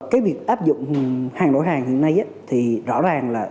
cái việc áp dụng hàng đổi hàng hiện nay thì rõ ràng là